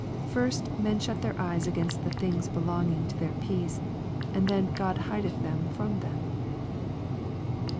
First, men shut their eyes against the things belonging to their peace, and then God hideth them fi^om them."